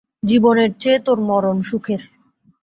জীবনের চেয়ে তোর মরণ সুখের।